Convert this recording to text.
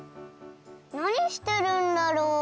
なにしてるんだろう？